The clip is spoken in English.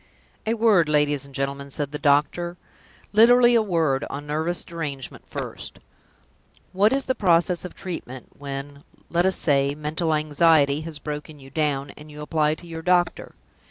"A word, ladies and gentlemen," said the doctor; "literally a word, on nervous derangement first. What is the process of treatment, when, let us say, mental anxiety has broken you down, and you apply to your doctor?